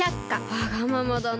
わがままだな。